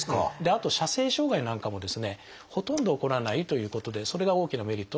あと射精障害なんかもですねほとんど起こらないということでそれが大きなメリットの一つです。